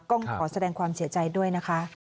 ด้วยนะคะก็ขอแสดงความเสียใจด้วยนะคะ